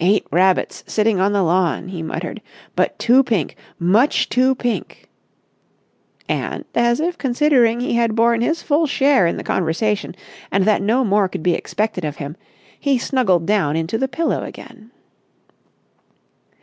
"Eight rabbits sitting on the lawn," he muttered. "But too pink! Much too pink!" And, as if considering he had borne his full share in the conversation and that no more could be expected of him, he snuggled down into the pillow again.